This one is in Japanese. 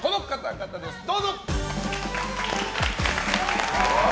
どうぞ！